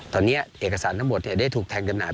ตอนนี้เอกสารทั้งหมดได้ถูกแทงจำหน่าย